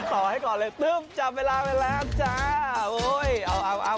ตอบให้ก่อนเลยจำเวลาไปแล้วจ้า